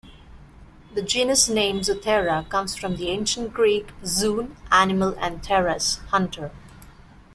The genus name "Zoothera" comes from the Ancient Greek "zoon", "animal" and "theras", "hunter".